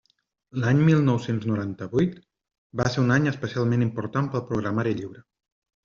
L'any mil nou-cents noranta-vuit va ser un any especialment important per al programari lliure.